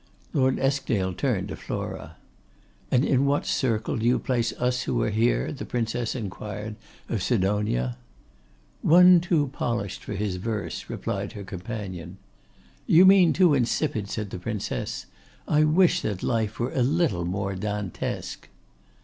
Lord Eskdale turned to Flora. 'And in what circle do you place us who are here?' the Princess inquired of Sidonia. 'One too polished for his verse,' replied her companion. 'You mean too insipid,' said the Princess. 'I wish that life were a little more Dantesque.